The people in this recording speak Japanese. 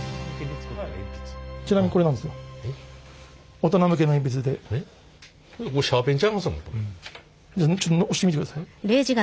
これちょっと押してみてください。